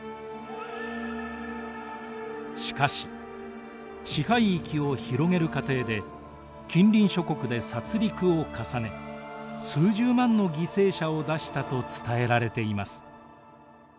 しかし支配域を広げる過程で近隣諸国で殺りくを重ね数十万の犠牲者を出したと伝えられています。